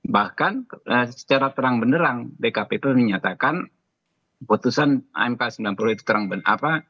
bahkan secara terang benerang dkpp menyatakan putusan mk sembilan puluh itu terang beneran